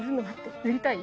塗りたい？